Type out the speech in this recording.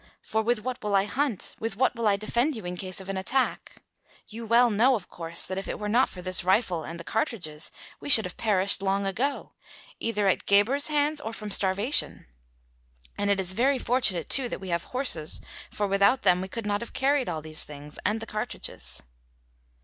For with what will I hunt, with what will I defend you in case of an attack? You well know, of course, that if it were not for this rifle and the cartridges we would have perished long ago, either at Gebhr's hands or from starvation. And it is very fortunate too that we have horses for without them we could not have carried all these things and the cartridges."